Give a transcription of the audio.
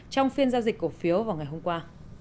trong phiên giao dịch cổ phiếu vào ngày hôm qua